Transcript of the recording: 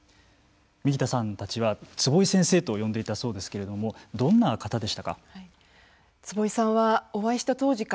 右田さんたちは坪井先生と呼んでいたそうですけれどもどんな方でしたか。